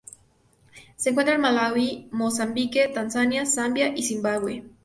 Se encuentra en Malaui, Mozambique, Tanzania, Zambia, y Zimbabwe.